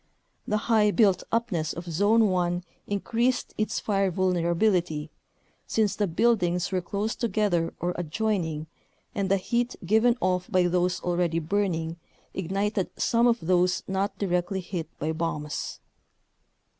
The high built upness of Zone 1 increased its fire vulnerability, since the buildings were close together or adjoining and the heat given off by those already burning ignited some of those not directly hit by bombs.